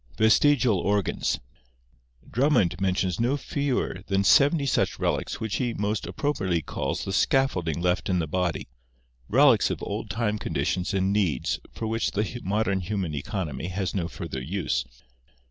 Vestigial Organs. — Drummond mentions no fewer than seventy such relics which he most appropriately calls the scaffolding left in the body, relics of old time conditions and needs for which the modern human economy has no further use.